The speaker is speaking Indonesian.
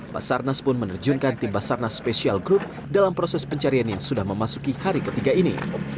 basarnas pun menerjunkan tim basarnas special group dalam proses pencarian yang sudah memasuki hari ketiga ini